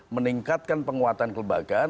meningkatkan penguatan kelembagaan